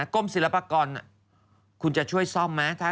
กลมศิลปกรณ์คุณจะช่วยซ่อมมั้ย